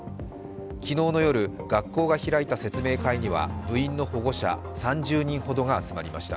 昨日の夜、学校が開いた説明会には部員の保護者３０人ほどが集まりました。